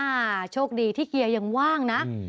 โชคดีที่เกียร์ยังว่างนะ